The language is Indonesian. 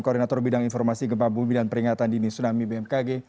koordinator bidang informasi gempa bumi dan peringatan dini tsunami bmkg